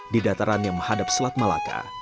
di datarannya menghadap selat malaka